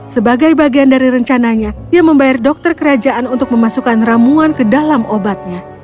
sebagai bagian dari rencananya ia membayar dokter kerajaan untuk memasukkan ramuan ke dalam obatnya